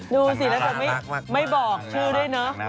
ดูสิแล้วจะไม่บอกชื่อด้วยเนอะ